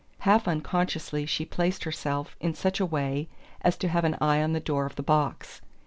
Half unconsciously she placed herself in such a way as to have an eye on the door of the box.